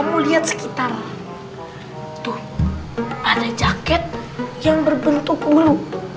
potter jaket yang berbentuk ulu